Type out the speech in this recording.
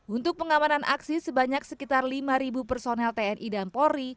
untuk pengamanan aksi sebanyak sekitar lima personel tni dan polri